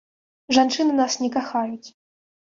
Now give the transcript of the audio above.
Жанчыны нас не кахаюць.